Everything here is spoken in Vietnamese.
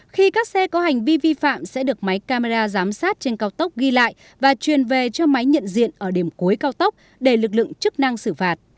khi các xe có hành vi vi phạm sẽ được máy camera giám sát trên cao tốc ghi lại và truyền về cho máy nhận diện ở điểm cuối cao tốc để lực lượng chức năng xử phạt